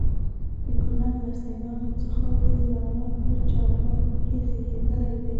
د کونړ له سیدانو څخه و د لغمان په چارباغ کې زیږېدلی دی.